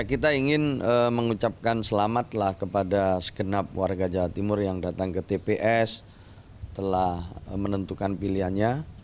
kita ingin mengucapkan selamatlah kepada segenap warga jawa timur yang datang ke tps telah menentukan pilihannya